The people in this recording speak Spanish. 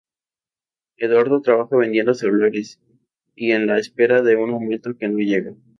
Eduardo trabaja vendiendo celulares, y en la espera de un aumento que no llega.